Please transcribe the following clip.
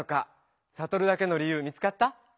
サトルだけの理由見つかった？